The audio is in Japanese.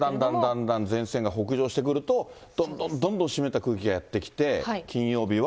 だんだん前線が北上してくると、どんどんどんどん湿った空気がやって来て、金曜日は。